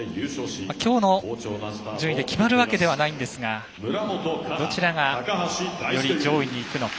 きょうの順位で決まるわけではないんですがどちらがより上位にいくのか。